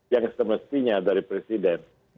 yang semestinya dari presiden